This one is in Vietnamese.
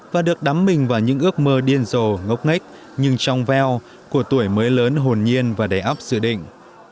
và được đắm mình vào những ước mơ điên rồ ngốc ngách nhưng trong veo của tuổi mới lớn hồn nhiên và đầy ấp dự định